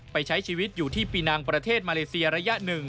ใช้ชีวิตอยู่ที่ปีนังประเทศมาเลเซียระยะ๑